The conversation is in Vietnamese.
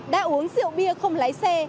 đã uống rượu bia không lái xe